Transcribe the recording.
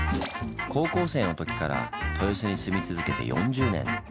高校生の時から豊洲に住み続けて４０年。